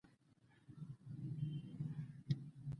دا هغه شيان دي چې لاشعور ته رسېږي.